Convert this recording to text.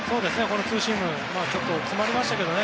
ツーシームちょっと詰まりましたけどね。